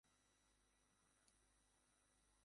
তারপর সেখানে ইট তৈরি করে সেই ইট দিয়ে মসজিদটি নির্মাণ করেন।